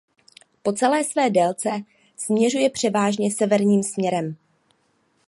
Po celé své délce směřuje převážně severním směrem.